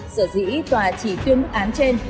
sở dĩ tòa chỉ tuyên bức án trên